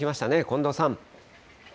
近藤さん。